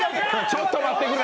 ちょっと待ってくれ。